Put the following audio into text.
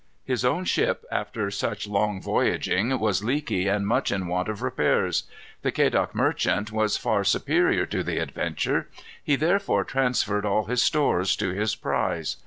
His own ship, after such long voyaging, was leaky and much in want of repairs. The Quedagh Merchant was far superior to the Adventure. He therefore transferred all his stores to his prize.